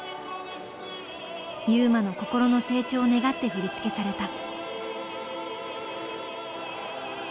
優真の心の成長を願って振り付けされた。